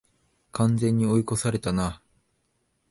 完全に追い越されたな